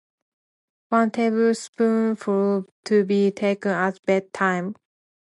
One tablespoonful to be taken at bed-time.